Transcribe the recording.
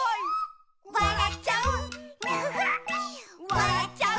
「わらっちゃう」